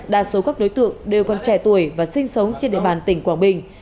đa số các đối tượng đều còn trẻ tuổi và sinh sống trên địa bàn tỉnh quảng bình